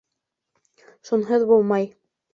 Шунһыҙ булмай.